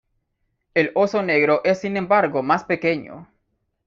El oso negro es sin embargo más pequeño.